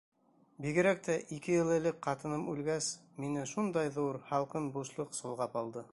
Бигерәк тә ике йыл элек ҡатыным үлгәс... мине шундай ҙур, һалҡын бушлыҡ солғап алды.